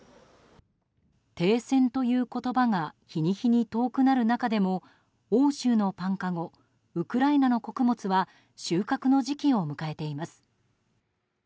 停戦という言葉が日に日に遠くなる中でも欧州のパンかごウクライナの穀物は収穫の時期を迎えています。